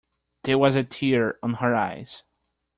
There was a tear on her eyes.